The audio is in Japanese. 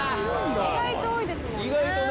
意外と多いですもんね。